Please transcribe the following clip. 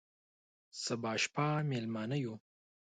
سبا شپه مېلمانه یو،